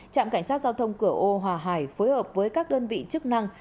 trạm cảnh sát giao thông cửa âu hòa hải phối hợp với các đơn vị chức năng